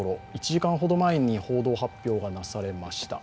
１時間ほど前に報道発表がなされました。